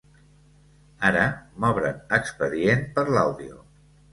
Ara m'obren expedient per l'àudio.